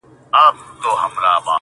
یوه ورځ له ناچارۍ ولاړى حاکم ته.!